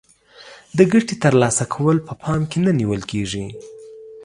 د ګټې تر لاسه کول په پام کې نه نیول کیږي.